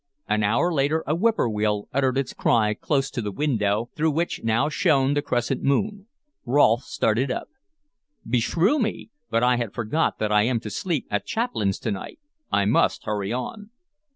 An hour later a whippoorwill uttered its cry close to the window, through which now shone the crescent moon. Rolfe started up. "Beshrew me! but I had forgot that I am to sleep at Chaplain's to night. I must hurry on."